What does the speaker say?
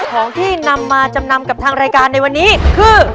ของที่นำมาจำนำกับทางรายการในวันนี้คือ